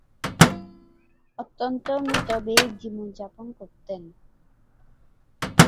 অত্যন্ত মিতব্যয়ী জীবনযাপন করতেন।